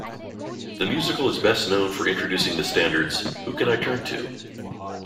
The musical is best known for introducing the standards "Who Can I Turn To?